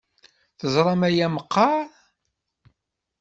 Teẓram aya meqqar?